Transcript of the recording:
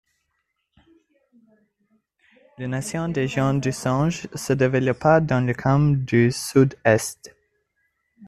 La nation des Gens-du-Sang se développa dans le camp du sud-est.